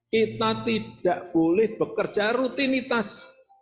kita tidak boleh bekerja rutinitas